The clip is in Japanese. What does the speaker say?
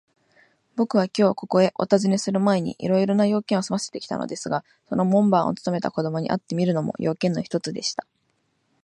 ぼくはきょう、ここへおたずねするまえに、いろいろな用件をすませてきたのですが、その門番をつとめた子どもに会ってみるのも、用件の一つでした。